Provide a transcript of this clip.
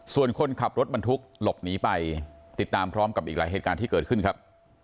ส่วนคนขับรถบรรทุกหลบหนีไปติดตามพร้อมกับอีกหลายเหตุการณ์ที่เกิดขึ้นครับ